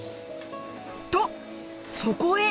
とそこへ！